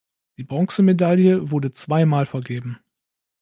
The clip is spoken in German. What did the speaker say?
Die Bronzemedaille wurde zweimal vergeben.